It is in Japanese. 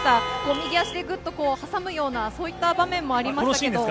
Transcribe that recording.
右足でぐっと挟むようなそういった場面もありましたけど。